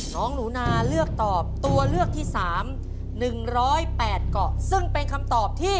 น้องหลุนาเลือกตอบตัวเลือกที่สามหนึ่งร้อยแปดเกาะซึ่งเป็นคำตอบที่